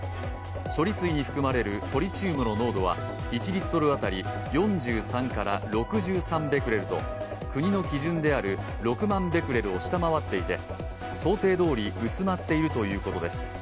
処理水に含まれるトリチウムの濃度は１リットル当たり４３から６３ベクレルと国の基準である６万ベクレルを下回っていて想定どおり薄まっているということです。